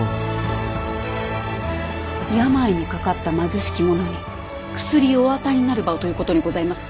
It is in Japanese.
病にかかった貧しき者に薬をお与えになる場をということにございますか？